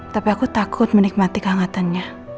tapi aku takut menikmati kehangatannya